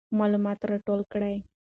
معلومات راټول کړه.